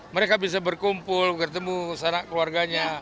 mereka bisa berkumpul bertemu sanak keluarganya